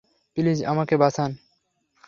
Please আমাদের বাঁচান।